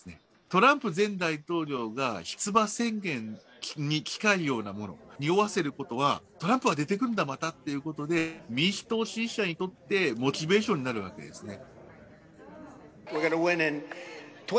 トランプ前大統領が出馬宣言に近いようなもの、におわせることは、トランプは出てくるんだ、またっていうことで、民主党支持者にとってモチベーションになるわけですね。